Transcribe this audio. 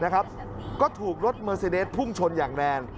ก็ถูกรถเมอร์ซีเดสพุ่งชนอย่างแรง